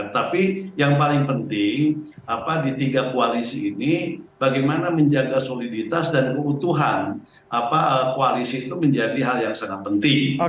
tapi yang paling penting di tiga koalisi ini bagaimana menjaga soliditas dan keutuhan koalisi itu menjadi hal yang sangat penting